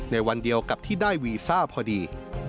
วันเดียวกับที่ได้วีซ่าพอดี